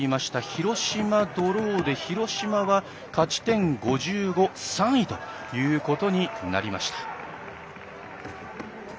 広島ドローで広島は勝ち点５５の３位ということになりました。